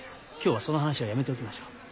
今日はその話はやめておきましょう。